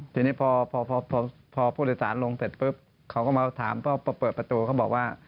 ทีนี้พอพอผู้โดยสารลงเสร็จปุ๊บเขาก็มาถามเปิดประตูเขาบอกว่า